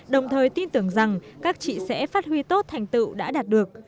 đồng thời tin tưởng rằng các trị sẻ phát huy tốt thành tựu đã đạt được